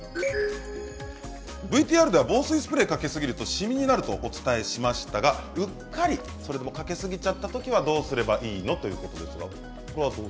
ＶＴＲでは防水スプレーをかけすぎるとしみになるとお伝えしましたがうっかりかけすぎてしまったときは、どうすればいいの？という質問です。